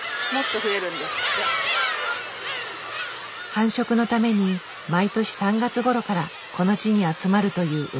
繁殖のために毎年３月ごろからこの地に集まるというウミネコ。